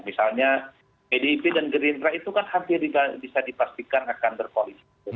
misalnya pdip dan gerindra itu kan hampir bisa dipastikan akan berkoalisi